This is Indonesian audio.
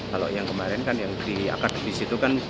kalau yang kemarin kan yang di akademisi itu kan